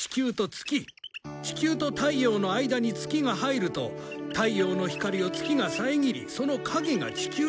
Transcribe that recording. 地球と太陽の間に月が入ると太陽の光を月が遮りその影が地球に落ちる。